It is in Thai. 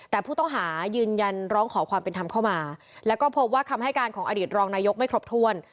แต่ผู้ต้องหายืนยันร้องขอความเป็นธรรมเข้ามาแล้วก็พบว่าคำให้การของอดีตรองนายกไม่ครบถ้วน